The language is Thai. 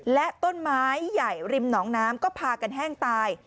และต้นไม้ใหญ่ริมหนองน้ำก็พากันแห้งตาย